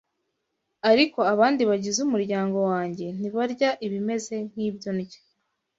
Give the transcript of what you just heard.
Ariko abandi bagize umuryango wanjye ntibarya ibimeze nk’ibyo ndya.